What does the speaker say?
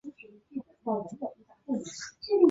绽灰蝶属是线灰蝶亚科美灰蝶族中的一个属。